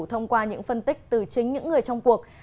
thông qua những phân tích từ chính những người trong cuộc